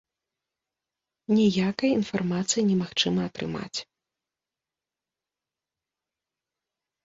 Ніякай інфармацыі немагчыма атрымаць.